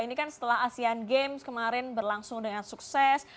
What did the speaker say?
ini kan setelah asean games kemarin berlangsung dengan sukses